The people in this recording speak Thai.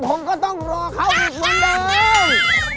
ผมก็ต้องรอเขาอีกเหมือนเดิม